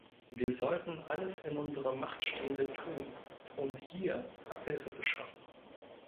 Wir sollten alles in unserer Macht Stehende tun, um hier Abhilfe zu schaffen.